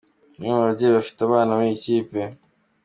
Umwe mu babyeyi bafite abana muri iyi kipe.